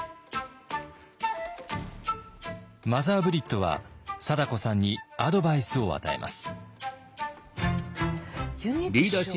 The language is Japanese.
マザー・ブリットは貞子さんにアドバイスを与えます。